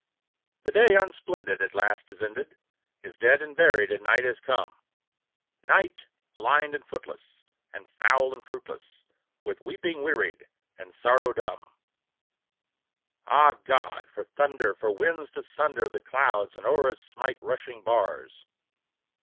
The day, unsplendid, at last is ended, Is dead and buried, and night has come; Night, blind and footless, and foul and fruitless, With weeping wearied, and sorrow dumb. Ah, God! for thunder! for winds to sunder The clouds and o'er us smite rushing bars!